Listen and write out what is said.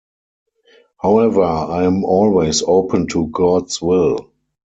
However, I am always open to God's will.